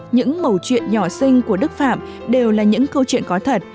những mầu chuyện nhỏ sinh của đức phạm đều là những câu chuyện có thật